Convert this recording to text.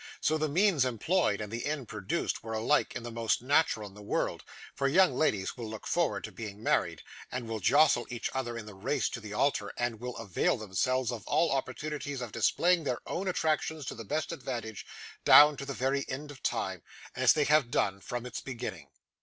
So the means employed, and the end produced, were alike the most natural in the world; for young ladies will look forward to being married, and will jostle each other in the race to the altar, and will avail themselves of all opportunities of displaying their own attractions to the best advantage, down to the very end of time, as they have done from its beginning.